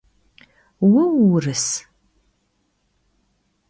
Vue vuurıs?